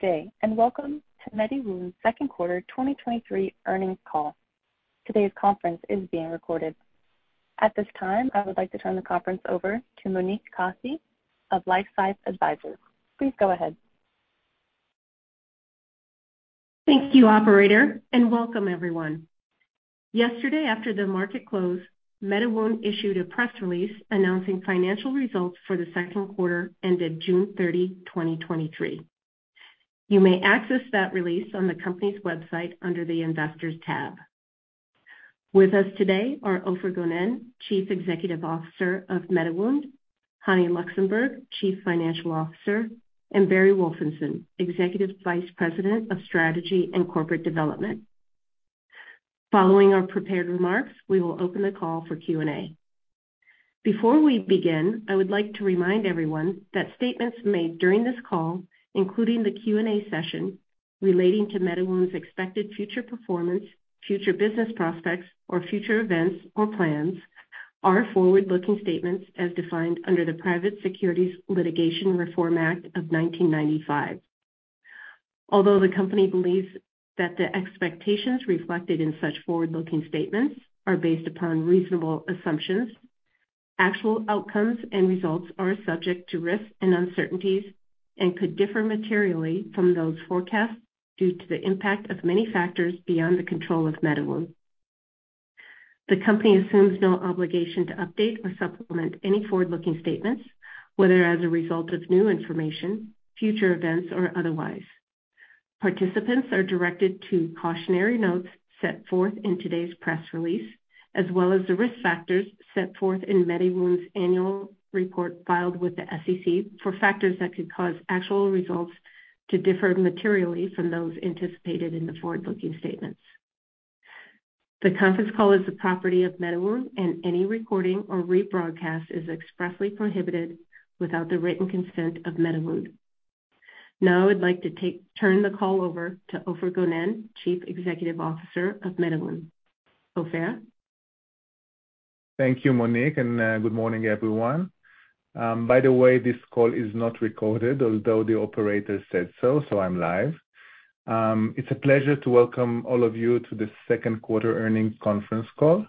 Good day, welcome to MediWound's second quarter 2023 earnings call. Today's conference is being recorded. At this time, I would like to turn the conference over to Monique Kosse of LifeSci Advisors. Please go ahead. Thank you, operator, and welcome everyone. Yesterday, after the market closed, MediWound issued a press release announcing financial results for the second quarter ended June 30, 2023. You may access that release on the company's website under the Investors tab. With us today are Ofer Gonen, Chief Executive Officer of MediWound, Hani Luxenburg, Chief Financial Officer, and Barry Wolfenson, Executive Vice President of Strategy and Corporate Development. Following our prepared remarks, we will open the call for Q&A. Before we begin, I would like to remind everyone that statements made during this call, including the Q&A session, relating to MediWound's expected future performance, future business prospects, or future events or plans, are forward-looking statements as defined under the Private Securities Litigation Reform Act of 1995. Although the company believes that the expectations reflected in such forward-looking statements are based upon reasonable assumptions, actual outcomes and results are subject to risks and uncertainties and could differ materially from those forecasts due to the impact of many factors beyond the control of MediWound. The company assumes no obligation to update or supplement any forward-looking statements, whether as a result of new information, future events, or otherwise. Participants are directed to cautionary notes set forth in today's press release, as well as the risk factors set forth in MediWound's annual report filed with the SEC for factors that could cause actual results to differ materially from those anticipated in the forward-looking statements. The conference call is the property of MediWound, and any recording or rebroadcast is expressly prohibited without the written consent of MediWound. Now, I'd like to turn the call over to Ofer Gonen, Chief Executive Officer of MediWound. Ofer? Thank you, Monique. Good morning, everyone. By the way, this call is not recorded, although the operator said so, so I'm live. It's a pleasure to welcome all of you to the second quarter earnings conference call.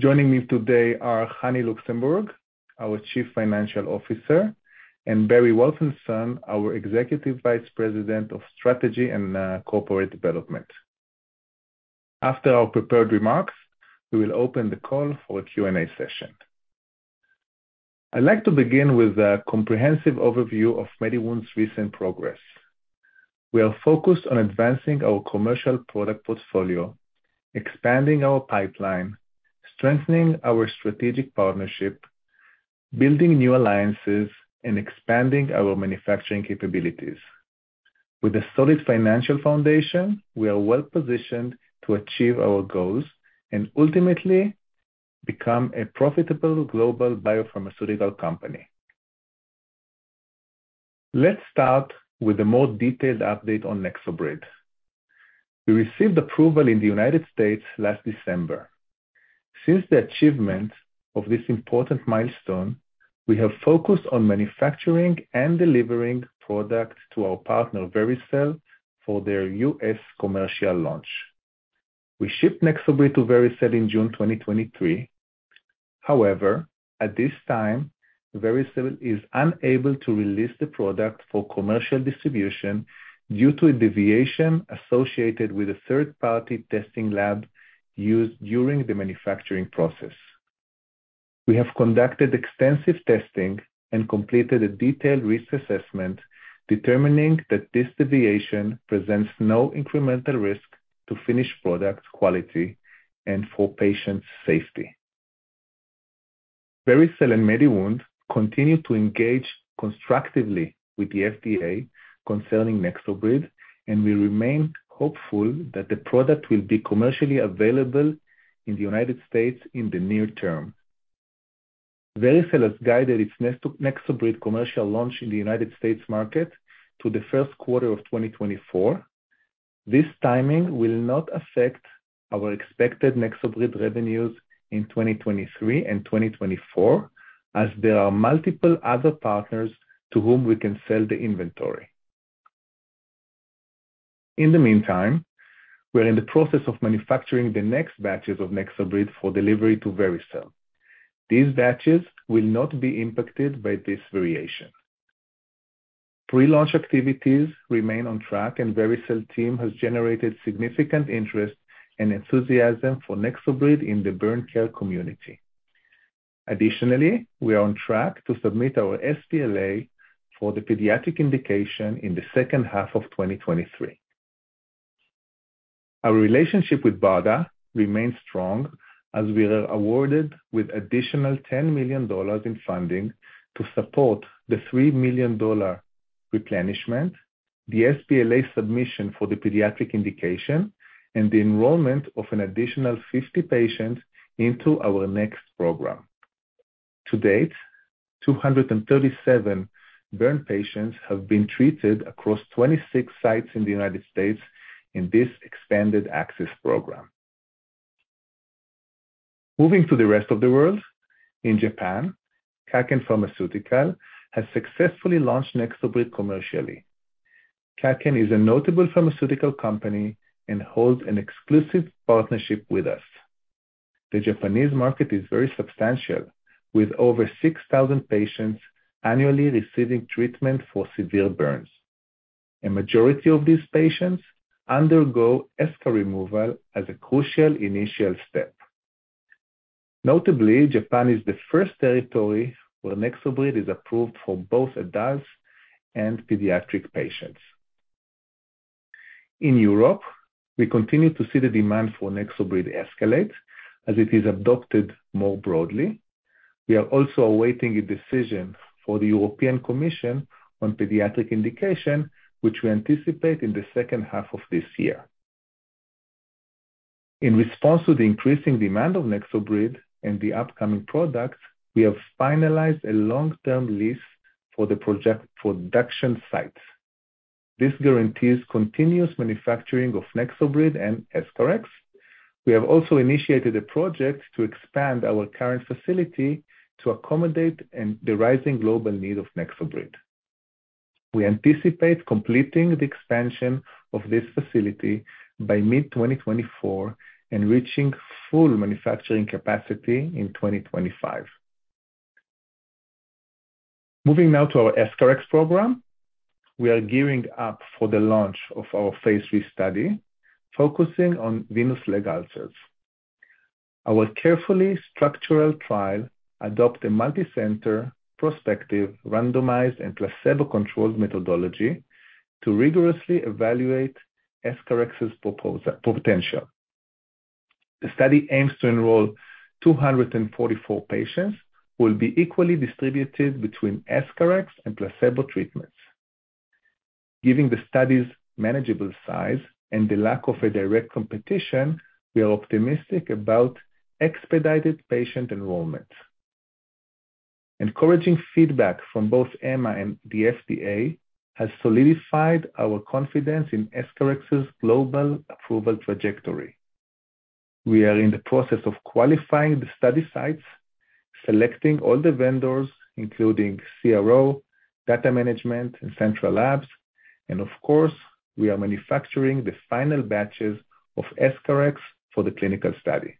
Joining me today are Hani Luxenburg, our Chief Financial Officer, and Barry Wolfenson, our Executive Vice President of Strategy and Corporate Development. After our prepared remarks, we will open the call for a Q&A session. I'd like to begin with a comprehensive overview of MediWound's recent progress. We are focused on advancing our commercial product portfolio, expanding our pipeline, strengthening our strategic partnership, building new alliances, and expanding our manufacturing capabilities. With a solid financial foundation, we are well-positioned to achieve our goals and ultimately become a profitable global biopharmaceutical company. Let's start with a more detailed update on NexoBrid. We received approval in the United States last December. Since the achievement of this important milestone, we have focused on manufacturing and delivering products to our partner, Vericel, for their U.S. commercial launch. We shipped NexoBrid to Vericel in June 2023. However, at this time, Vericel is unable to release the product for commercial distribution due to a deviation associated with a third-party testing lab used during the manufacturing process. We have conducted extensive testing and completed a detailed risk assessment, determining that this deviation presents no incremental risk to finished product quality and for patient safety. Vericel and MediWound continue to engage constructively with the FDA concerning NexoBrid, and we remain hopeful that the product will be commercially available in the United States in the near term. Vericel has guided its NexoBrid commercial launch in the United States market to the first quarter of 2024. This timing will not affect our expected NexoBrid revenues in 2023 and 2024, as there are multiple other partners to whom we can sell the inventory. In the meantime, we are in the process of manufacturing the next batches of NexoBrid for delivery to Vericel. These batches will not be impacted by this variation. Pre-launch activities remain on track, and Vericel team has generated significant interest and enthusiasm for NexoBrid in the burn care community. Additionally, we are on track to submit our sBLA for the pediatric indication in the second half of 2023. Our relationship with BARDA remains strong as we are awarded with additional $10 million in funding to support the $3 million replenishment, the sBLA submission for the pediatric indication, and the enrollment of an additional 50 patients into our next program. To date, 237 burn patients have been treated across 26 sites in the United States in this Expanded Access Program. Moving to the rest of the world. In Japan, Kaken Pharmaceutical has successfully launched NexoBrid commercially. Kaken is a notable pharmaceutical company and holds an exclusive partnership with us. The Japanese market is very substantial, with over 6,000 patients annually receiving treatment for severe burns. A majority of these patients undergo eschar removal as a crucial initial step. Notably, Japan is the first territory where NexoBrid is approved for both adults and pediatric patients. In Europe, we continue to see the demand for NexoBrid escalate as it is adopted more broadly. We are also awaiting a decision for the European Commission on pediatric indication, which we anticipate in the second half of this year. In response to the increasing demand of NexoBrid and the upcoming products, we have finalized a long-term lease for the project production site. This guarantees continuous manufacturing of NexoBrid and EscharEx. We have also initiated a project to expand our current facility to accommodate the rising global need of NexoBrid. We anticipate completing the expansion of this facility by mid-2024 and reaching full manufacturing capacity in 2025. Moving now to our EscharEx program. We are gearing up for the launch of our phase 3 study, focusing on venous leg ulcers. Our carefully structural trial adopt a multicenter, prospective, randomized, and placebo-controlled methodology to rigorously evaluate EscharEx's potential. The study aims to enroll 244 patients, who will be equally distributed between EscharEx and placebo treatments. Given the study's manageable size and the lack of a direct competition, we are optimistic about expedited patient enrollment. Encouraging feedback from both EMA and the FDA has solidified our confidence in EscharEx's global approval trajectory. We are in the process of qualifying the study sites, selecting all the vendors, including CRO, data management, and central labs, and of course, we are manufacturing the final batches of EscharEx for the clinical study.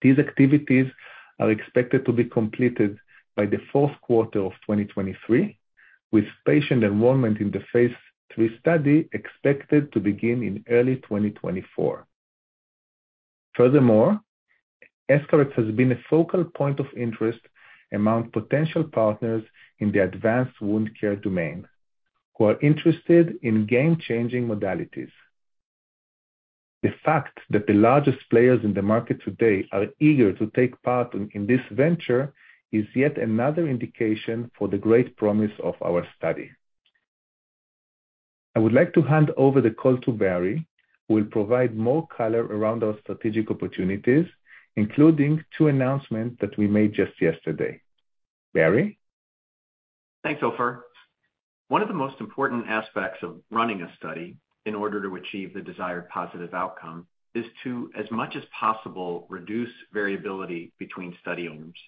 These activities are expected to be completed by the fourth quarter of 2023, with patient enrollment in the phase 3 study expected to begin in early 2024. Furthermore, EscharEx has been a focal point of interest among potential partners in the advanced wound care domain, who are interested in game-changing modalities. The fact that the largest players in the market today are eager to take part in this venture is yet another indication for the great promise of our study. I would like to hand over the call to Barry, who will provide more color around our strategic opportunities, including two announcements that we made just yesterday. Barry? Thanks, Ofer. One of the most important aspects of running a study in order to achieve the desired positive outcome is to, as much as possible, reduce variability between study owners.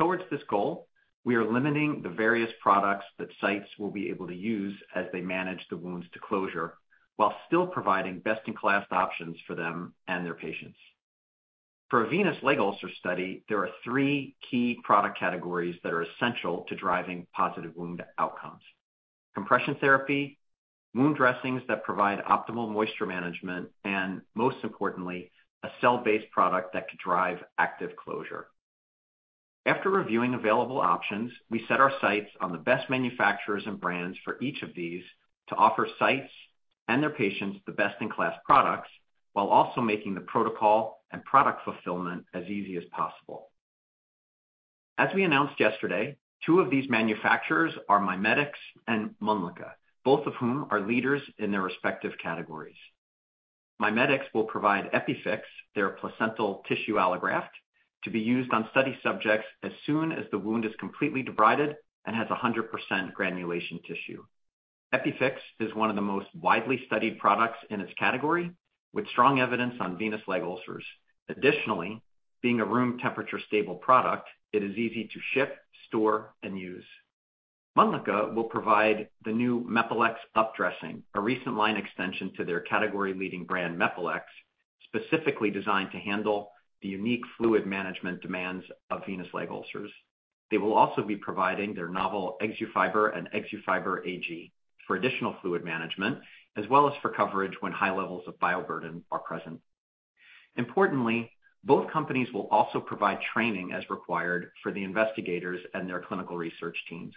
Towards this goal, we are limiting the various products that sites will be able to use as they manage the wounds to closure, while still providing best-in-class options for them and their patients. For a venous leg ulcer study, there are three key product categories that are essential to driving positive wound outcomes: compression therapy, wound dressings that provide optimal moisture management, and most importantly, a cell-based product that could drive active closure. After reviewing available options, we set our sights on the best manufacturers and brands for each of these to offer sites and their patients the best-in-class products, while also making the protocol and product fulfillment as easy as possible. As we announced yesterday, two of these manufacturers are MiMedx and Mölnlycke, both of whom are leaders in their respective categories. MiMedx will provide EpiFix, their placental tissue allograft, to be used on study subjects as soon as the wound is completely debrided and has 100% granulation tissue. EpiFix is one of the most widely studied products in its category, with strong evidence on venous leg ulcers. Additionally, being a room temperature stable product, it is easy to ship, store, and use. Mölnlycke will provide the new Mepilex Up Dressing, a recent line extension to their category-leading brand, Mepilex, specifically designed to handle the unique fluid management demands of venous leg ulcers. They will also be providing their novel Exufiber and Exufiber Ag+, for additional fluid management, as well as for coverage when high levels of bioburden are present. Importantly, both companies will also provide training as required for the investigators and their clinical research teams.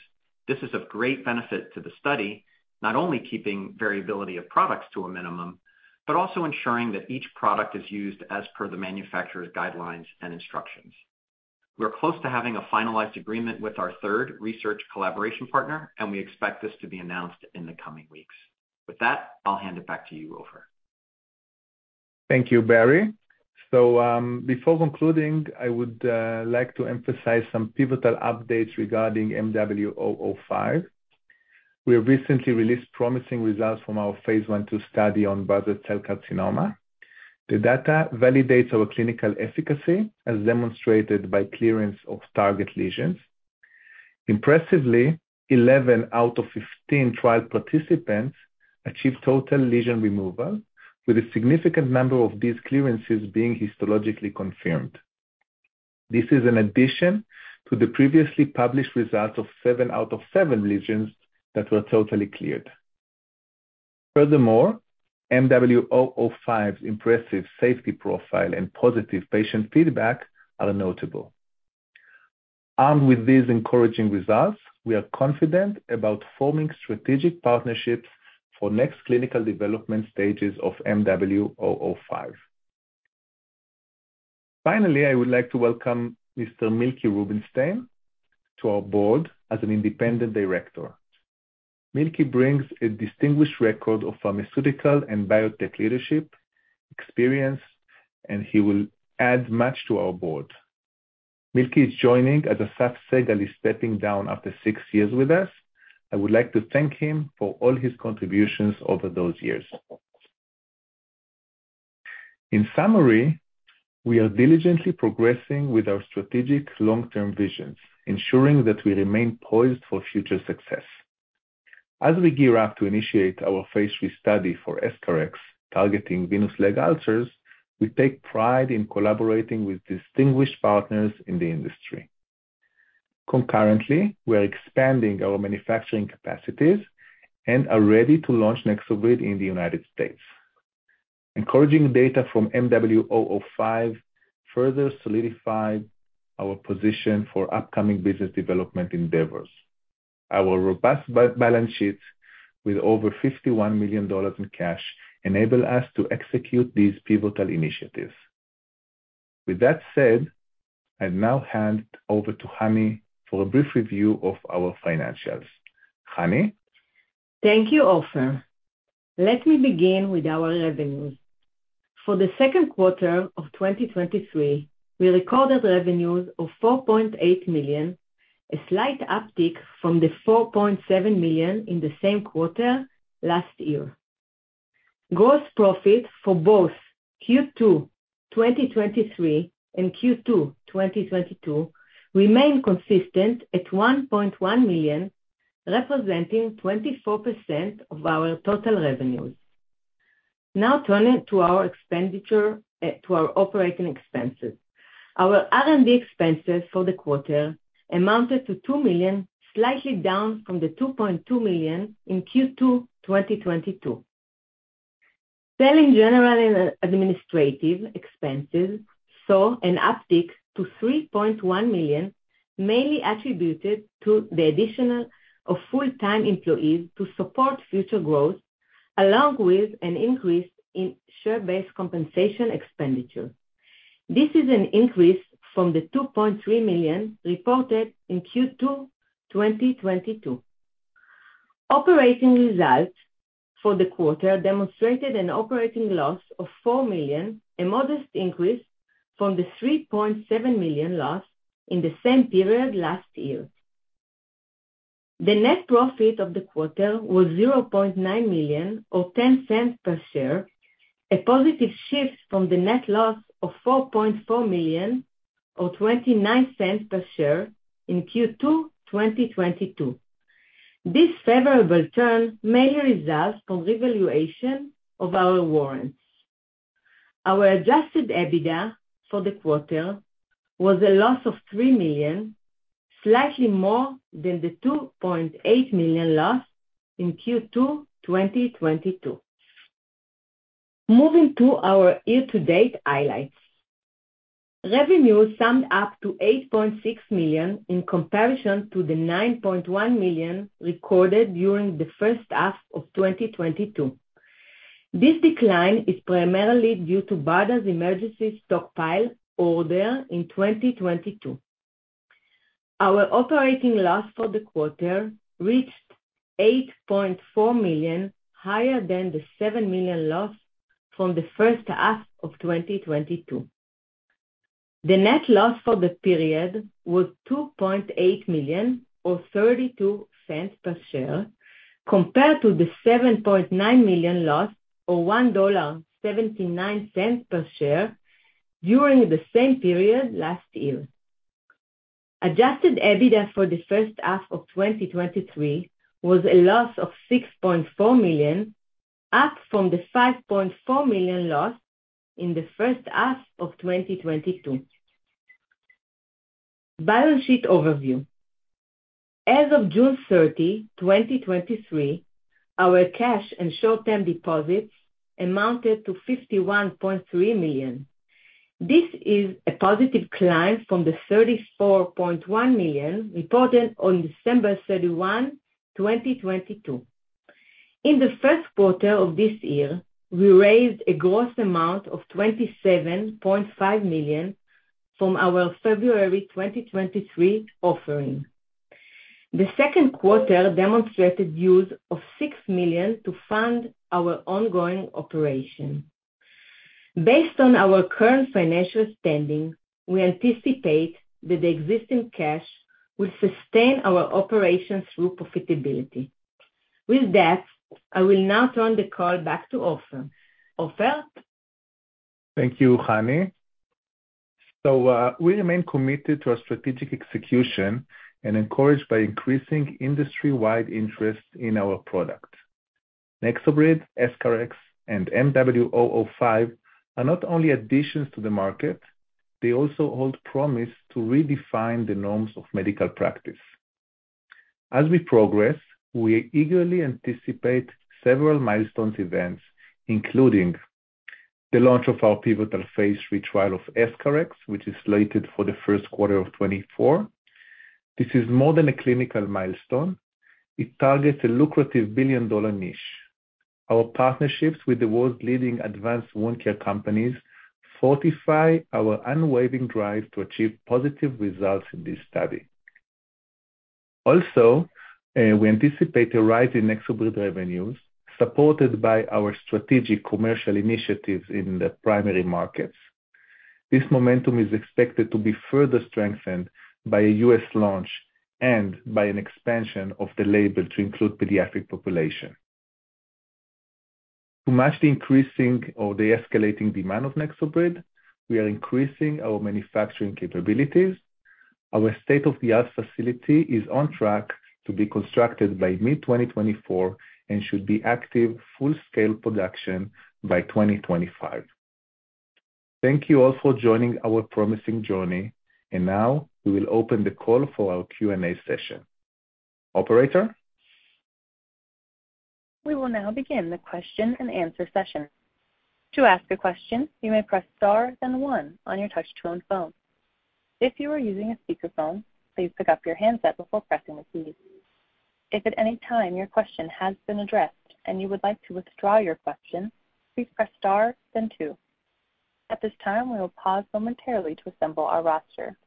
This is of great benefit to the study, not only keeping variability of products to a minimum, but also ensuring that each product is used as per the manufacturer's guidelines and instructions. We are close to having a finalized agreement with our third research collaboration partner, and we expect this to be announced in the coming weeks. With that, I'll hand it back to you, Ofer. Thank you, Barry. Before concluding, I would like to emphasize some pivotal updates regarding MW005. We have recently released promising results from our phase 1/2 study on basal cell carcinoma. The data validates our clinical efficacy, as demonstrated by clearance of target lesions. Impressively, 11 out of 15 trial participants achieved total lesion removal, with a significant number of these clearances being histologically confirmed. This is an addition to the previously published results of 7 out of 7 lesions that were totally cleared. Furthermore, MW005's impressive safety profile and positive patient feedback are notable. Armed with these encouraging results, we are confident about forming strategic partnerships for next clinical development stages of MW005. Finally, I would like to welcome Mr. Miki Rubinstein to our board as an independent director. Miki brings a distinguished record of pharmaceutical and biotech leadership, experience, and he will add much to our board. Miki is joining as Assaf Segal is stepping down after 6 years with us. I would like to thank him for all his contributions over those years. In summary, we are diligently progressing with our strategic long-term visions, ensuring that we remain poised for future success. As we gear up to initiate our phase 3 study for EscharEx, targeting venous leg ulcers, we take pride in collaborating with distinguished partners in the industry. Concurrently, we are expanding our manufacturing capacities and are ready to launch NexoBrid in the United States. Encouraging data from MW005 further solidify our position for upcoming business development endeavors. Our robust balance sheets with over $51 million in cash, enable us to execute these pivotal initiatives. With that said, I'll now hand over to Hani for a brief review of our financials. Hani? Thank you, Ofer. Let me begin with our revenues. For the second quarter of 2023, we recorded revenues of $4.8 million, a slight uptick from the $4.7 million in the same quarter last year. Gross profit for both Q2 2023 and Q2 2022, remain consistent at $1.1 million, representing 24% of our total revenues. Now, turning to our expenditure, to our operating expenses. Our R&D expenses for the quarter amounted to $2 million, slightly down from the $2.2 million in Q2 2022. Selling general and administrative expenses saw an uptick to $3.1 million, mainly attributed to the additional of full-time employees to support future growth, along with an increase in share-based compensation expenditure. This is an increase from the $2.3 million reported in Q2 2022. Operating results for the quarter demonstrated an operating loss of $4 million, a modest increase from the $3.7 million loss in the same period last year. The net profit of the quarter was $0.9 million or $0.10 per share, a positive shift from the net loss of $4.4 million or $0.29 per share in Q2 2022. This favorable turn mainly results from revaluation of our warrants. Our adjusted EBITDA for the quarter was a loss of $3 million, slightly more than the $2.8 million loss in Q2 2022. Moving to our year-to-date highlights. Revenue summed up to $8.6 million in comparison to the $9.1 million recorded during the first half of 2022. This decline is primarily due to BARDA's emergency stockpile order in 2022. Our operating loss for the quarter reached $8.4 million, higher than the $7 million loss from the first half of 2022. The net loss for the period was $2.8 million or $0.32 per share, compared to the $7.9 million loss, or $1.79 per share during the same period last year. Adjusted EBITDA for the first half of 2023 was a loss of $6.4 million, up from the $5.4 million loss in the first half of 2022. Balance sheet overview. As of June 30, 2023, our cash and short-term deposits amounted to $51.3 million. This is a positive climb from the $34.1 million reported on December 31, 2022. In the first quarter of this year, we raised a gross amount of $27.5 million from our February 2023 offering. The second quarter demonstrated use of $6 million to fund our ongoing operation. Based on our current financial standing, we anticipate that the existing cash will sustain our operations through profitability. With that, I will now turn the call back to Ofer. Ofer? Thank you, Hani. We remain committed to our strategic execution and encouraged by increasing industry-wide interest in our product. NexoBrid, EscharEx, and MW005 are not only additions to the market, they also hold promise to redefine the norms of medical practice. As we progress, we eagerly anticipate several milestones events, including the launch of our pivotal phase 3 trial of EscharEx, which is slated for the first quarter of 2024. This is more than a clinical milestone. It targets a lucrative billion-dollar niche. Our partnerships with the world's leading advanced wound care companies fortify our unwavering drive to achieve positive results in this study. Also, we anticipate a rise in NexoBrid revenues, supported by our strategic commercial initiatives in the primary markets. This momentum is expected to be further strengthened by a US launch and by an expansion of the label to include pediatric population. To match the increasing or the escalating demand of NexoBrid, we are increasing our manufacturing capabilities. Our state-of-the-art facility is on track to be constructed by mid-2024 and should be active full-scale production by 2025. Thank you all for joining our promising journey, now we will open the call for our Q&A session. Operator? We will now begin the question and answer session. To ask a question, you may press Star then one on your touch-tone phone. If you are using a speakerphone, please pick up your handset before pressing the key. If at any time your question has been addressed and you would like to withdraw your question, please press Star then two. At this time, we will pause momentarily to assemble our roster.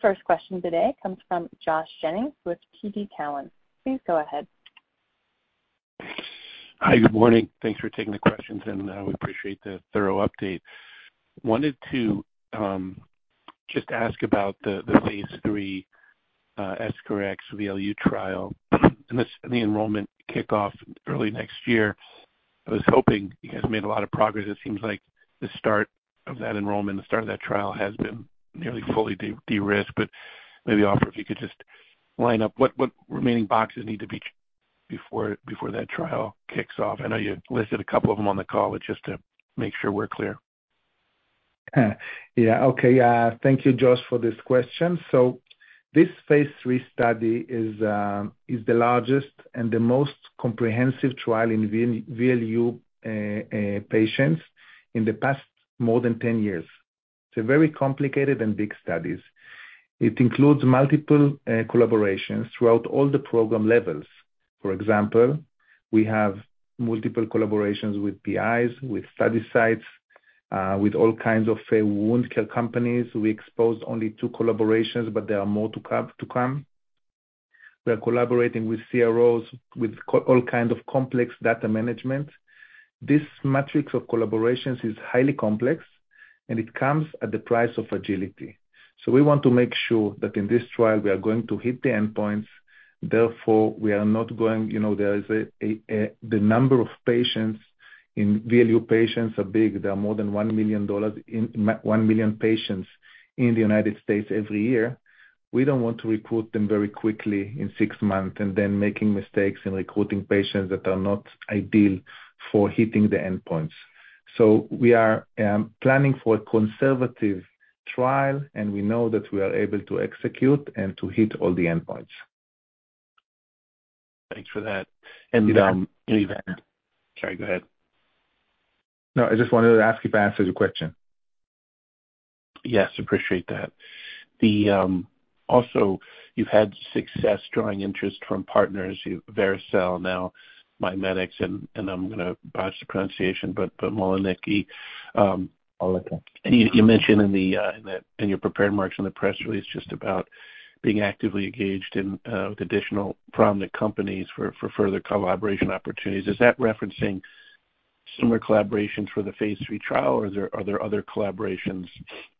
The first question today comes from Josh Jennings with TD Cowen. Please go ahead. Hi, good morning. Thanks for taking the questions, and we appreciate the thorough update. Wanted to just ask about the phase 3 EscharEx VLU trial, and the enrollment kickoff early next year. I was hoping you guys made a lot of progress. It seems like the start of that enrollment, the start of that trial, has been nearly fully de-risked. Maybe, Ofer, if you could just line up what remaining boxes need to be before that trial kicks off? I know you listed a couple of them on the call, but just to make sure we're clear. Yeah. Thank you, Josh, for this question. This phase 3 study is the largest and the most comprehensive trial in VLU patients in the past more than 10 years. It's a very complicated and big studies. It includes multiple collaborations throughout all the program levels. For example, we have multiple collaborations with PIs, with study sites, with all kinds of wound care companies. We exposed only two collaborations, but there are more to come, to come. We are collaborating with CROs, with all kind of complex data management. This matrix of collaborations is highly complex, and it comes at the price of agility. We want to make sure that in this trial, we are going to hit the endpoints, therefore we are not going. You know, there is the number of patients in VLU patients are big. There are more than $1 million 1 million patients in the United States every year. We don't want to recruit them very quickly in 6 months, then making mistakes in recruiting patients that are not ideal for hitting the endpoints. We are planning for a conservative trial, we know that we are able to execute and to hit all the endpoints. Thanks for that. Yeah. Sorry, go ahead. No, I just wanted to ask if I answered your question? Yes, appreciate that. The, also, you've had success drawing interest from partners, Vericel, now MiMedx, and I'm gonna botch the pronunciation, but Mölnlycke. Mölnlycke. You, you mentioned in the, in the, in your prepared remarks, in the press release, just about being actively engaged in, with additional prominent companies for, for further collaboration opportunities. Is that referencing similar collaborations for the phase three trial, or are there, are there other collaborations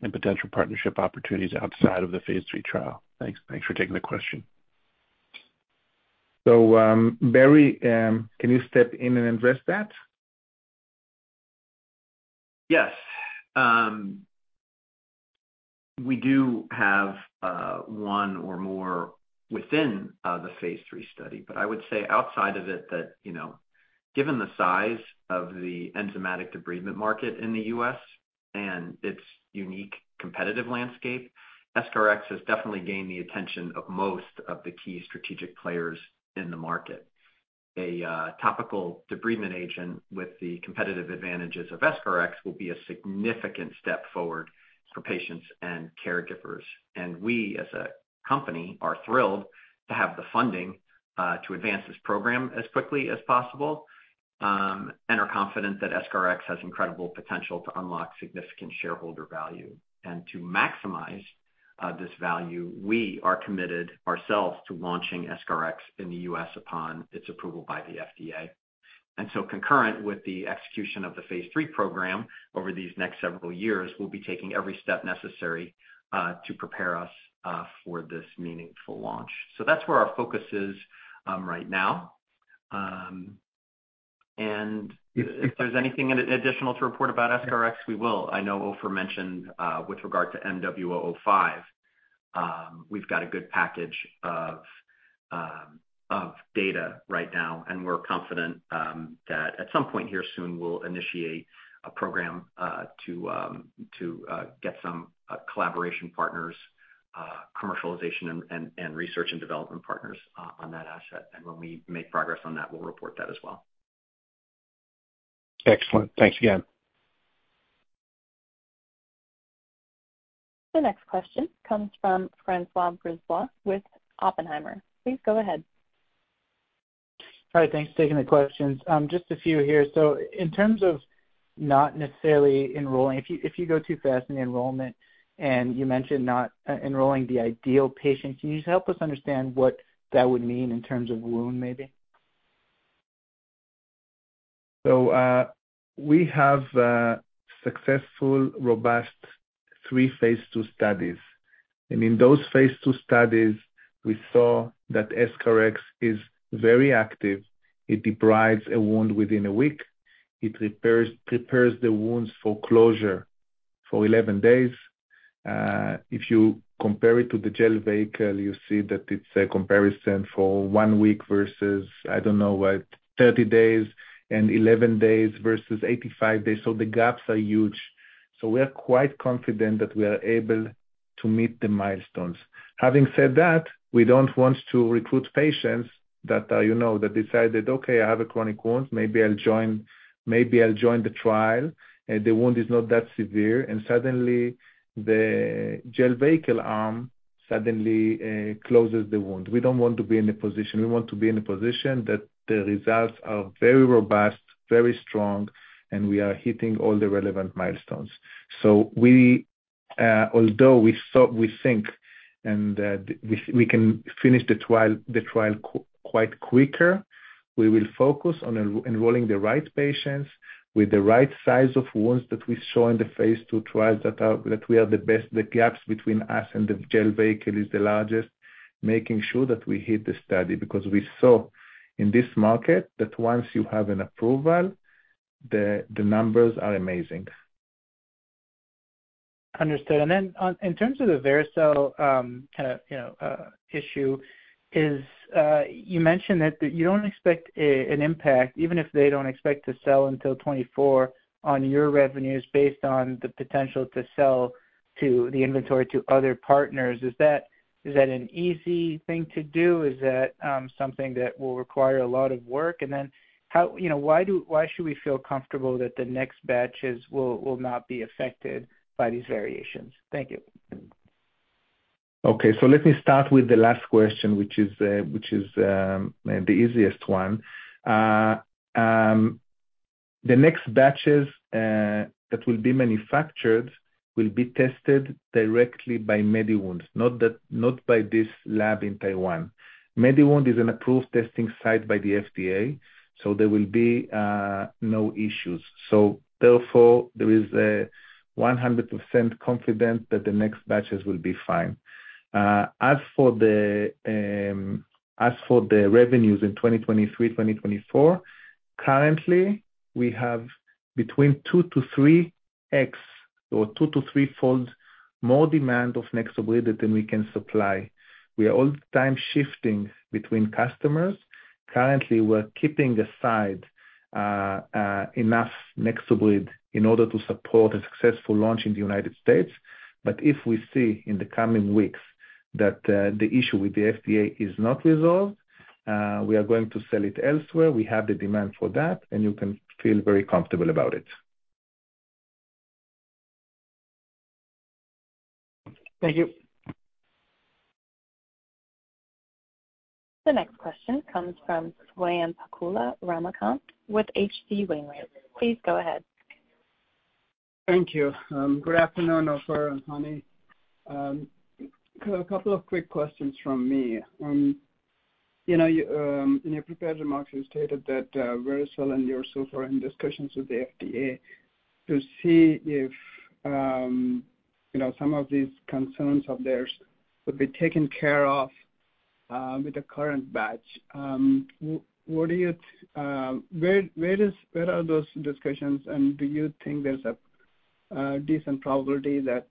and potential partnership opportunities outside of the phase three trial? Thanks, thanks for taking the question. Barry, can you step in and address that? Yes. We do have one or more within the phase three study, but I would say outside of it that, you know, given the size of the enzymatic debridement market in the US and its unique competitive landscape, EscharEx has definitely gained the attention of most of the key strategic players in the market. A topical debridement agent with the competitive advantages of EscharEx will be a significant step forward for patients and caregivers. We, as a company, are thrilled to have the funding to advance this program as quickly as possible, and are confident that EscharEx has incredible potential to unlock significant shareholder value. To maximize this value, we are committed ourselves to launching EscharEx in the US upon its approval by the FDA. Concurrent with the execution of the phase three program over these next several years, we'll be taking every step necessary to prepare us for this meaningful launch. That's where our focus is right now. If, if there's anything additional to report about EscharEx, we will. I know Ofer mentioned with regard to MW005, we've got a good package of data right now, and we're confident that at some point here soon, we'll initiate a program to get some collaboration partners, commercialization and, and, and research and development partners on that asset. When we make progress on that, we'll report that as well. Excellent. Thanks again. The next question comes from François Brisebois with Oppenheimer. Please go ahead. Hi, thanks for taking the questions. Just a few here. In terms of not necessarily enrolling, if you, if you go too fast in the enrollment, and you mentioned not enrolling the ideal patient, can you just help us understand what that would mean in terms of wound, maybe? We have successful, robust 3 phase 2 studies. In those phase 2 studies, we saw that EscharEx is very active. It deprives a wound within 1 week. It prepares the wounds for closure for 11 days. If you compare it to the gel vehicle, you see that it's a comparison for 1 week versus, I don't know, what, 30 days and 11 days versus 85 days. The gaps are huge. We are quite confident that we are able to meet the milestones. Having said that, we don't want to recruit patients that are, you know, that decided, "Okay, I have a chronic wound. Maybe I'll join the trial." The wound is not that severe, and suddenly the gel vehicle arm suddenly closes the wound. We don't want to be in a position... We want to be in a position that the results are very robust, very strong, and we are hitting all the relevant milestones. We, although we thought, we think, and we, we can finish the trial, the trial quite quicker, we will focus on enrolling the right patients with the right size of wounds that we show in the phase 2 trials, that are, that we are the best, the gaps between us and the gel vehicle is the largest, making sure that we hit the study. We saw in this market that once you have an approval, the, the numbers are amazing. Understood. On, in terms of the Vericel, kind of, you know, issue is, you mentioned that you don't expect an impact, even if they don't expect to sell until 2024, on your revenues based on the potential to sell to the inventory to other partners. Is that, is that an easy thing to do? Is that, something that will require a lot of work? How, you know, why do, why should we feel comfortable that the next batches will not be affected by these variations? Thank you. Okay. Let me start with the last question, which is, which is the easiest one. The next batches that will be manufactured will be tested directly by MediWound, not that, not by this lab in Taiwan. MediWound is an approved testing site by the FDA, there will be no issues. Therefore, there is a 100% confident that the next batches will be fine. As for the, as for the revenues in 2023, 2024, currently, we have between 2x-3x or 2-3-fold more demand of NexoBrid than we can supply. We are all the time shifting between customers. Currently, we're keeping aside enough NexoBrid in order to support a successful launch in the United States. If we see in the coming weeks that the issue with the FDA is not resolved, we are going to sell it elsewhere. We have the demand for that, and you can feel very comfortable about it. Thank you. The next question comes from Swayampakula Ramakanth with H.C. Wainwright. Please go ahead. Thank you. Good afternoon, Ofer and Honey. 2 quick questions from me. You know, in your prepared remarks, you stated that Vericel and yourself are in discussions with the FDA to see if, you know, some of these concerns of theirs would be taken care of with the current batch. What do you, where are those discussions, and do you think there's a decent probability that,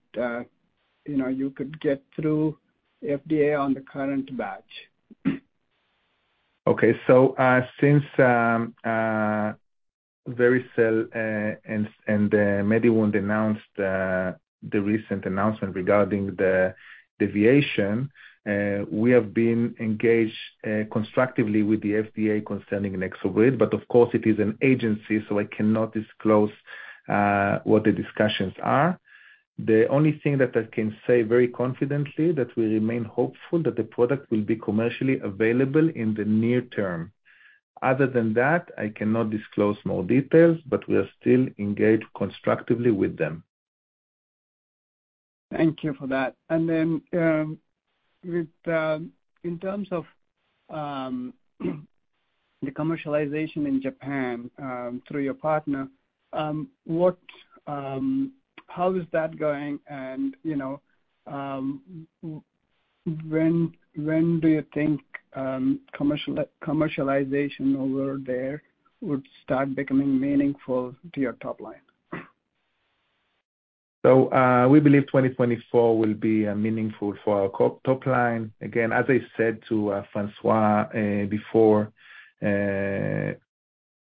you know, you could get through FDA on the current batch? Since Vericel and MediWound announced the recent announcement regarding the deviation, we have been engaged constructively with the FDA concerning NexoBrid, but of course, it is an agency, so I cannot disclose what the discussions are. The only thing that I can say very confidently, that we remain hopeful that the product will be commercially available in the near term. Other than that, I cannot disclose more details, but we are still engaged constructively with them. Thank you for that. With in terms of the commercialization in Japan, through your partner, how is that going, and, you know, when, when do you think commercial- commercialization over there would start becoming meaningful to your top line? We believe 2024 will be meaningful for our top line. Again, as I said to François before,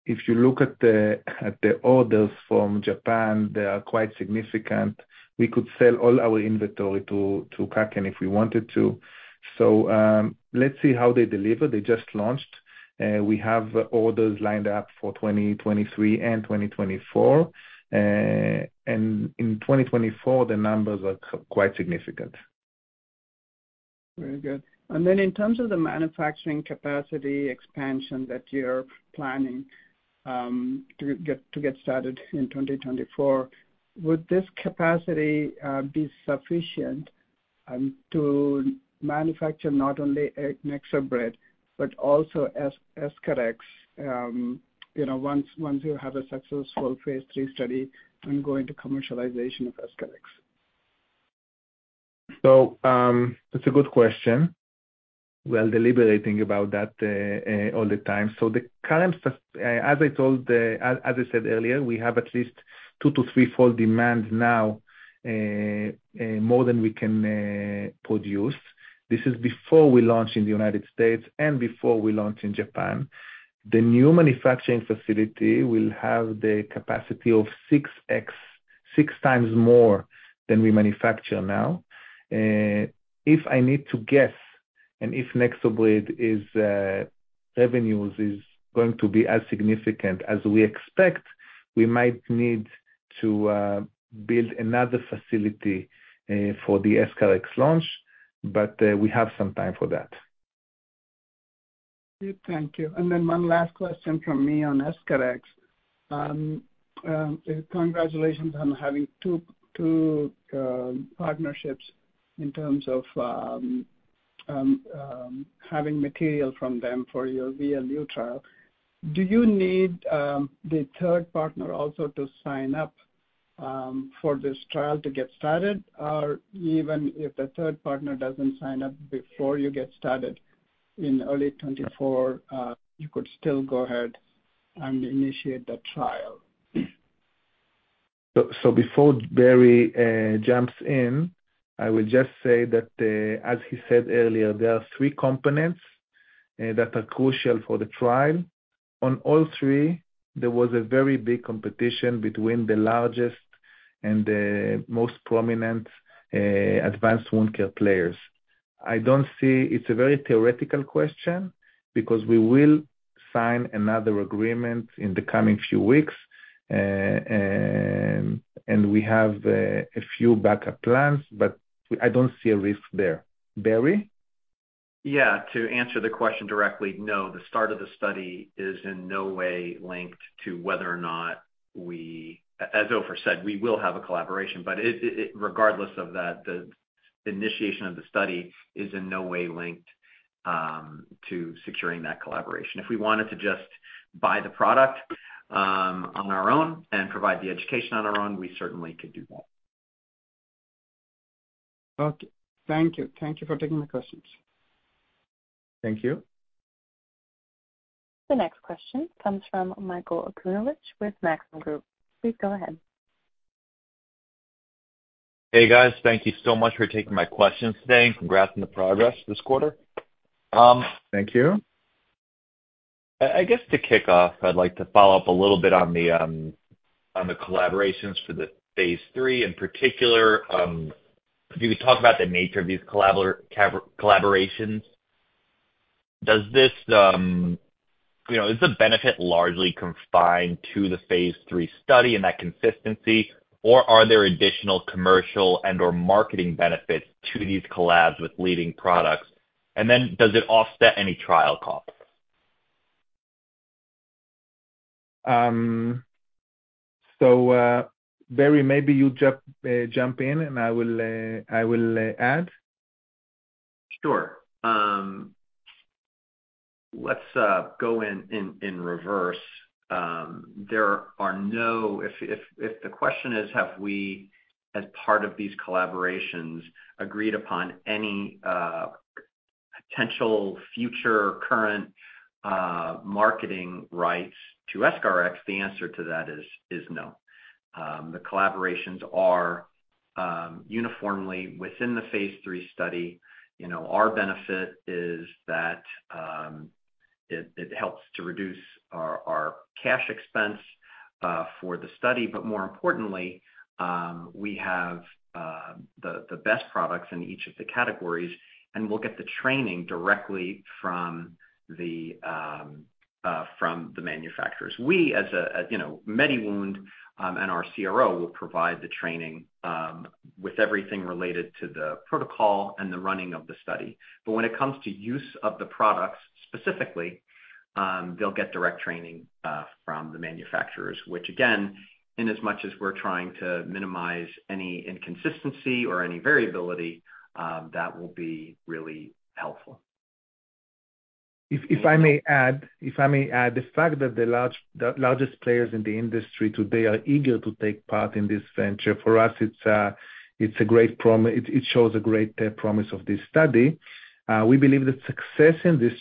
if you look at the orders from Japan, they are quite significant. We could sell all our inventory to Kaken if we wanted to. Let's see how they deliver. They just launched. We have orders lined up for 2023 and 2024. In 2024, the numbers are quite significant. Very good. Then in terms of the manufacturing capacity expansion that you're planning, to get, to get started in 2024, would this capacity be sufficient, to manufacture not only NexoBrid, but also EscharEx, you know, once, once you have a successful phase 3 study and go into commercialization of EscharEx? That's a good question. We're deliberating about that all the time. The current as I told as I said earlier, we have at least 2- to 3-fold demand now more than we can produce. This is before we launch in the United States and before we launch in Japan. The new manufacturing facility will have the capacity of 6 times more than we manufacture now. If I need to guess, and if NexoBrid revenues is going to be as significant as we expect, we might need to build another facility for the EscharEx launch, we have some time for that. Thank you. Then one last question from me on EscharEx. Congratulations on having two, two partnerships in terms of having material from them for your VLU trial. Do you need the third partner also to sign up for this trial to get started? Or even if the third partner doesn't sign up before you get started in early 2024, you could still go ahead and initiate that trial. Before Barry jumps in, I will just say that as he said earlier, there are three components that are crucial for the trial. On all three, there was a very big competition between the largest and the most prominent advanced wound care players. I don't see. It's a very theoretical question because we will sign another agreement in the coming few weeks. We have a few backup plans, but I don't see a risk there. Barry? Yeah, to answer the question directly, no, the start of the study is in no way linked to whether or not we... As Ofer said, we will have a collaboration, but it, regardless of that, the initiation of the study is in no way linked to securing that collaboration. If we wanted to just buy the product on our own and provide the education on our own, we certainly could do that. Okay. Thank you. Thank you for taking my questions. Thank you. The next question comes from Michael Okunewitch with Maxim Group. Please go ahead. Hey, guys. Thank you so much for taking my questions today. Congrats on the progress this quarter. Thank you. I, I guess to kick off, I'd like to follow up a little bit on the on the collaborations for the phase 3. In particular, if you could talk about the nature of these collaborations, does this, you know, is the benefit largely confined to the phase 3 study and that consistency, or are there additional commercial and/or marketing benefits to these collabs with leading products? Does it offset any trial costs? Barry, maybe you jump, jump in, and I will, I will, add. Sure. Let's go in reverse. There are no... If, if, if the question is, have we, as part of these collaborations, agreed upon any potential future current marketing rights to EscharEx, the answer to that is, is no. The collaborations are uniformly within the phase 3 study. You know, our benefit is that it helps to reduce our cash expense for the study. More importantly, we have the best products in each of the categories, and we'll get the training directly from the manufacturers. We, as a, you know, MediWound, and our CRO, will provide the training with everything related to the protocol and the running of the study. When it comes to use of the products, specifically, they'll get direct training from the manufacturers, which again, in as much as we're trying to minimize any inconsistency or any variability, that will be really helpful.... If, if I may add, if I may add, the fact that the large, the largest players in the industry today are eager to take part in this venture, for us, it's a great promise of this study. We believe the success in this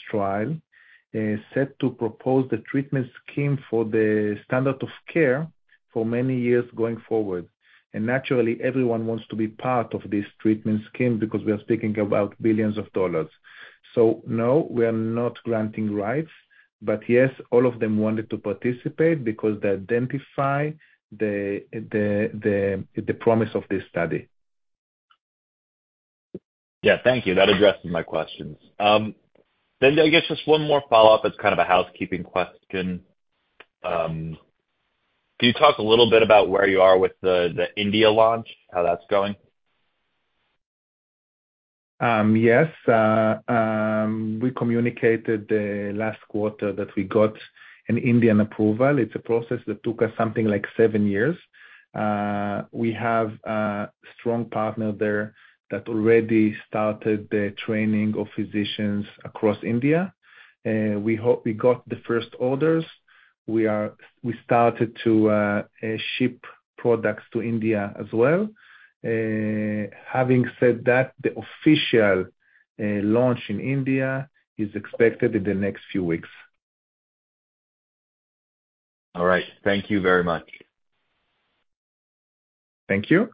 trial is set to propose the treatment scheme for the standard of care for many years going forward. Naturally, everyone wants to be part of this treatment scheme because we are speaking about billions of dollars. No, we are not granting rights, but yes, all of them wanted to participate because they identify the promise of this study. Yeah. Thank you. That addresses my questions. I guess just one more follow-up. It's kind of a housekeeping question. Can you talk a little bit about where you are with the India launch, how that's going? Yes. We communicated last quarter that we got an Indian approval. It's a process that took us something like 7 years. We have a strong partner there that already started the training of physicians across India. We hope we got the first orders. We started to ship products to India as well. Having said that, the official launch in India is expected in the next few weeks. All right. Thank you very much. Thank you.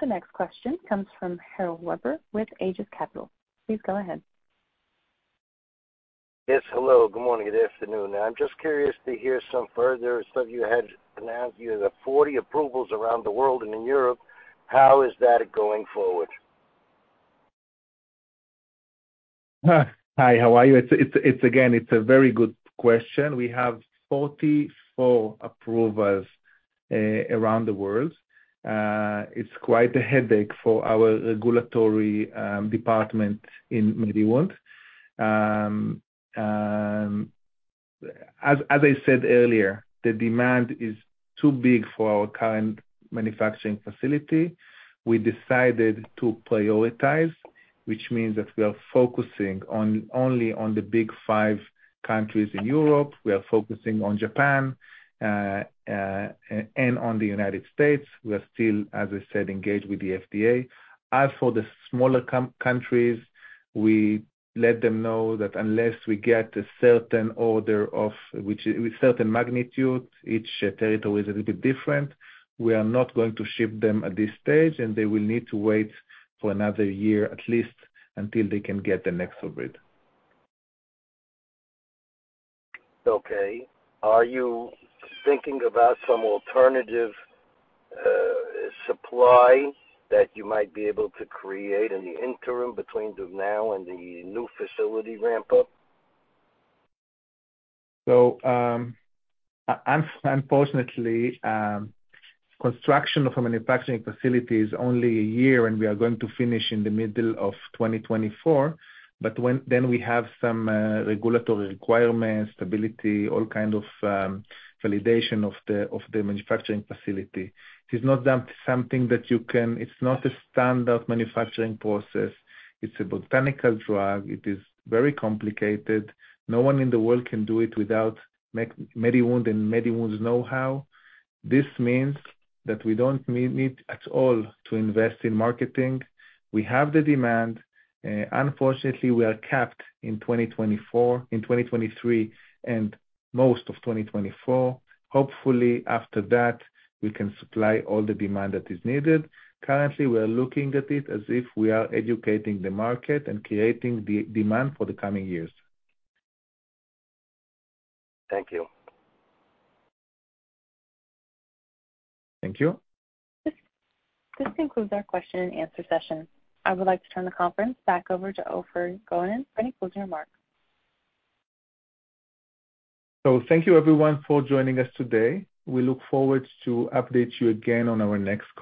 The next question comes from Harold Weber with Aegis Capital. Please go ahead. Yes, hello. Good morning, good afternoon. I'm just curious to hear some further, so you had announced you have 40 approvals around the world and in Europe. How is that going forward? Hi, how are you? It's again, it's a very good question. We have 44 approvals around the world. It's quite a headache for our regulatory department in MediWound. As I said earlier, the demand is too big for our current manufacturing facility. We decided to prioritize, which means that we are focusing only on the big 5 countries in Europe. We are focusing on Japan and on the United States. We are still, as I said, engaged with the FDA. As for the smaller countries, we let them know that unless we get a certain order with certain magnitude, each territory is a little bit different. We are not going to ship them at this stage, and they will need to wait for another year, at least until they can get the NexoBrid. Okay. Are you thinking about some alternative supply that you might be able to create in the interim between the now and the new facility ramp up? Unfortunately, construction of a manufacturing facility is only a year, and we are going to finish in the middle of 2024, but then we have some regulatory requirements, stability, all kind of validation of the, of the manufacturing facility. It's not done something that you can... It's not a standard manufacturing process. It's a botanical drug. It is very complicated. No one in the world can do it without MediWound and MediWound's know-how. This means that we don't need at all to invest in marketing. We have the demand. Unfortunately, we are capped in 2024, in 2023, and most of 2024. Hopefully, after that, we can supply all the demand that is needed. Currently, we are looking at it as if we are educating the market and creating the demand for the coming years. Thank you. Thank you. This, this concludes our question and answer session. I would like to turn the conference back over to Ofer Gonen for any closing remarks. Thank you, everyone, for joining us today. We look forward to update you again on our next call.